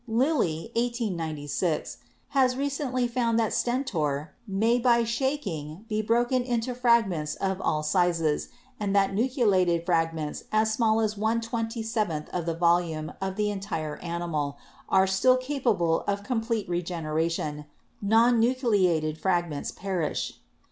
Lillie (1896) has recently found that Sten tor may by shaking be broken into fragments of all sizes and that nucleated fragments as small as one twenty seventh the volume of the entire animal are still capable of complete regeneration, non nucleated fragments perish.